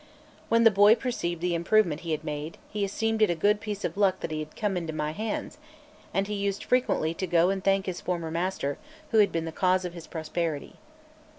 When the boy perceived the improvement he had made, he esteemed it a good piece of luck that he had come into my hands; and he used frequently to go and thank his former master, who had been the cause of his prosperity.